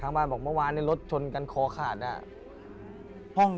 ทางบ้านบอกว่าเมื่อวานรถชนกันคอขาดน่ะ